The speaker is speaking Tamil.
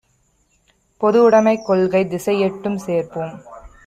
பொதுஉடைமைக் கொள்கை திசையெட்டும் சேர்ப்போம்